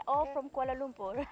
kita semua dari kuala lumpur